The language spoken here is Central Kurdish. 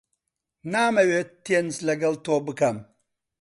نامەوێت تێنس لەگەڵ تۆ بکەم.